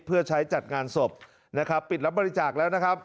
เพื่อใช้จัดงานศพนะครับปิดรับบริจาคแล้วนะครับ